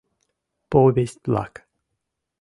ПОВЕСТЬ-ВЛАК